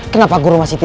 kenapa guru masih